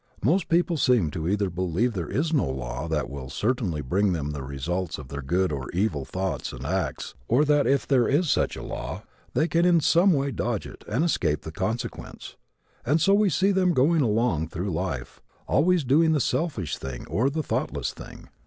Most people seem either to believe there is no law that will certainly bring them the results of their good or evil thoughts and acts or that if there is such a law they can in some way dodge it and escape the consequence, and so we see them go along through life always doing the selfish thing or the thoughtless thing.